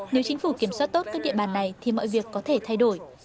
nếu chính phủ kiểm soát tốt các địa bàn này thì mọi việc có thể thay đổi